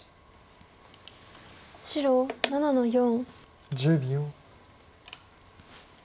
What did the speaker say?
白８の四。